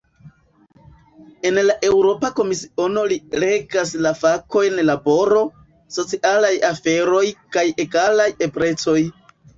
En la Eŭropa Komisiono, li regas la fakojn "laboro, socialaj aferoj kaj egalaj eblecoj".